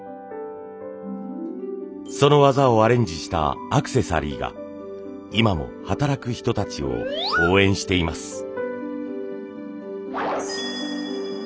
その技をアレンジしたアクセサリーが今も働く人たちを応援しています。